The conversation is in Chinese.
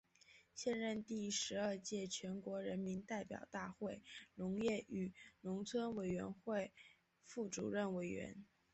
现任第十二届全国人民代表大会农业与农村委员会副主任委员。